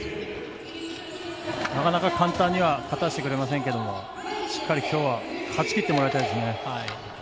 なかなか簡単には勝たせてくれませんけどしっかりきょうは勝ちきってもらいたいですね。